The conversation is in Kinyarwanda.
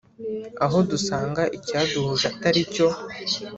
aho dusanga icyaduhuje ataricyo